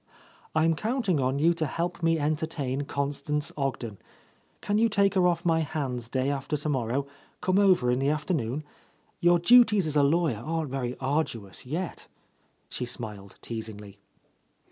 "I'm counting on you to help me entertain Constance Ogden. Can you take her off my hands day after tomorrow, come over in the afternoon? Your duties as a lawyer aren't very arduous yet?" She smiled teasingly.